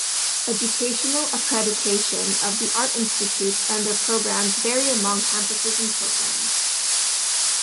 Educational accreditation of The Art Institutes and their programs varies among campuses and programs.